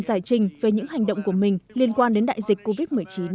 giải trình về những hành động của mình liên quan đến đại dịch covid một mươi chín